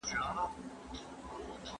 مور مې غواړي چې زه تل د ضعیفانو لاسنیوی وکړم.